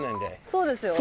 そうですよ。